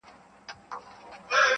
ما د خپل جانان د کوڅې لوری پېژندلی دی-